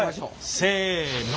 せの。